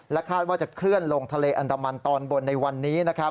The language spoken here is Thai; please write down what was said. และคาดว่าจะเคลื่อนลงทะเลอันตรรมันตอนบนในวันนี้